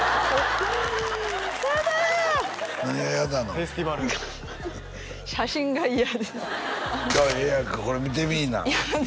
フェスティバル写真が嫌ですええやんかこれ見てみいなやだ